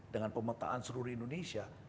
dengan pemetaan seluruh indonesia